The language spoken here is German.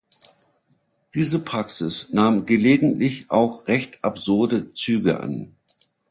Diese Praxis nahm gelegentlich auch recht absurde Züge an.